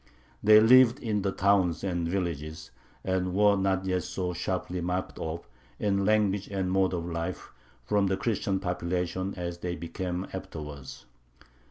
They lived in the towns and villages, and were not yet so sharply marked off, in language and mode of life, from the Christian population as they became afterwards.